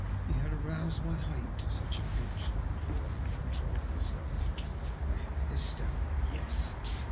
" He had roused my hate to such a pitch that before I could control myself I had hissed out " Tes